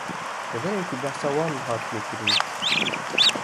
Deverên ku behsa wan hatiye kirin